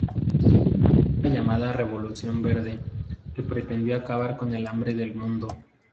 Es la llamada revolución verde, que pretendió acabar con el hambre en el mundo.